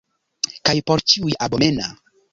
Kaj por ĉiuj abomena!